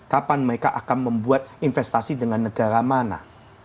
kapan mereka akan membuat investasi dengan negara mana